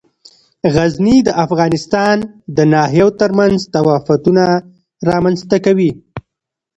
غزني د افغانستان د ناحیو ترمنځ تفاوتونه رامنځ ته کوي.